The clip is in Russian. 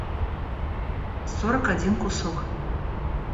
сорок один кусок